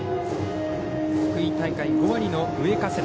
福井大会５割の上加世田。